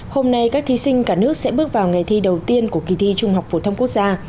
hôm nay các thí sinh cả nước sẽ bước vào ngày thi đầu tiên của kỳ thi trung học phổ thông quốc gia